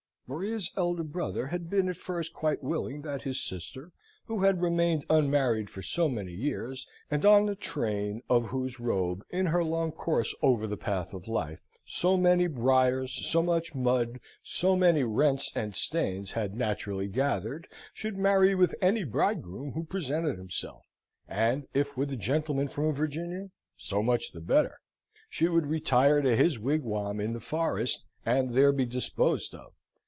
Maria's elder brother had been at first quite willing that his sister, who had remained unmarried for so many years, and on the train of whose robe, in her long course over the path of life, so many briars, so much mud, so many rents and stains had naturally gathered, should marry with any bridegroom who presented himself, and if with a gentleman from Virginia, so much the better. She would retire to his wigwam in the forest, and there be disposed of.